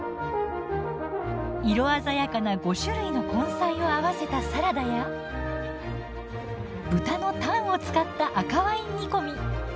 色鮮やかな５種類の根菜を合わせたサラダや豚のタンを使った赤ワイン煮込み。